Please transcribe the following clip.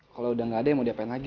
kalau udah gak ada mau diapain lagi